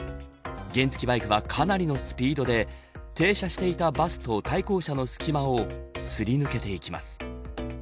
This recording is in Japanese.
原付バイクはかなりのスピードで停車していたバスと対向車の隙間をすり抜けていきます。